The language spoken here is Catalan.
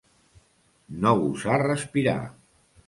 No gosar respirar.